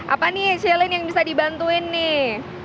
apa nih chelin yang bisa dibantuin nih